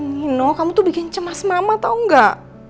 nino kamu tuh bikin cemas mama tau gak